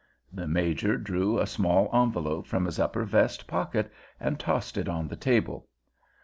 The Major drew a small envelope from his upper vest pocket and tossed it on the table.